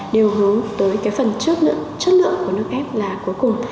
đều hướng tới cái phần chất lượng của nước ép là cuối cùng